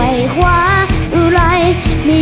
เรียกประกันแล้วยังคะ